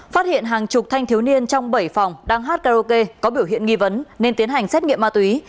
phát hiện hàng chục thanh thiếu niên trong bảy phòng đang hát karaoke có biểu hiện nghi vấn nên tiến hành xét nghiệm ma túy